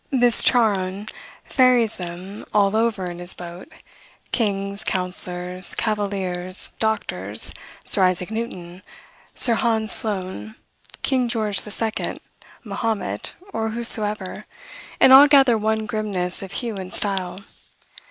This Charon ferries them all over in his boat; kings, counselors, cavaliers, doctors, Sir Isaac Newton, Sir Hans Sloane, King George II., Mahomet, or whosoever, and all gather one grimness of hue and style.